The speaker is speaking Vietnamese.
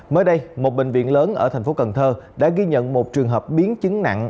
mới đây một bệnh viện lớn ở thành phố cần thơ đã ghi nhận một trường hợp biến chứng nặng